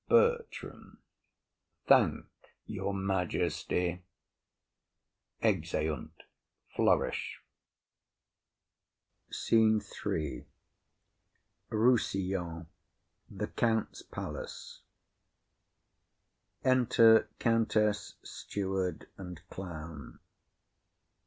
BERTRAM. Thank your majesty. [Exeunt. Flourish.] SCENE III. Rossillon. A Room in the Palace. Enter Countess, Steward and Clown.